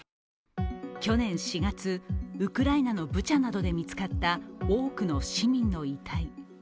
去年４月、ウクライナのブチャなどで見つかった多くの市民の遺体。